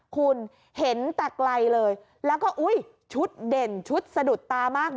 คุณเห็นแต่ไกลเลยแล้วก็อุ้ยชุดเด่นชุดสะดุดตามาก